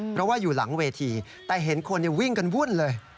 เพราะว่าอยู่หลังเวทีแต่เห็นคนวิ่งกันวุ่นเลย